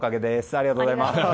ありがとうございます。